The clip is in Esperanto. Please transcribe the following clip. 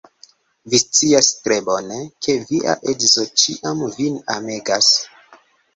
Vi scias tre bone, ke via edzo ĉiam vin amegas.